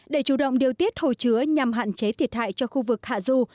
để chủ động điều tiết hồ chứa nhằm hạn chế thiệt hại cho khu vực hạ du